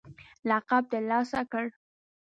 لقب ترلاسه کړ